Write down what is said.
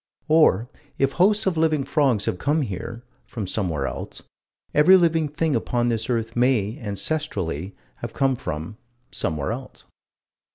Or if hosts of living frogs have come here from somewhere else every living thing upon this earth may, ancestrally, have come from somewhere else.